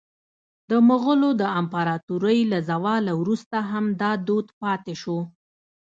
د مغولو د امپراطورۍ له زواله وروسته هم دا دود پاتې شو.